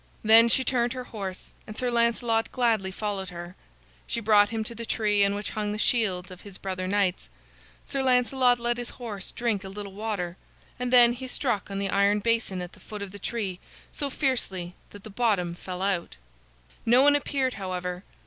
Then she turned her horse, and Sir Lancelot gladly followed her. She brought him to the tree on which hung the shields of his brother knights. Sir Lancelot let his horse drink a little water, and then he struck on the iron basin at the foot of the tree so fiercely that the bottom fell out. [Illustration: "He struck so fiercely the bottom fell out"] No one appeared, however.